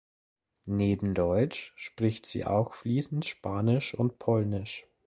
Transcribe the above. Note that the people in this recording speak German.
Neben Deutsch spricht sie auch fließend Spanisch und Polnisch.